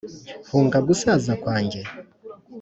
hunga gusaza kwanjye?